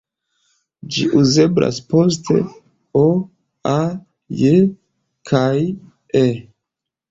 Ĝi uzeblas post "-o", "-a", "-j" kaj "-e".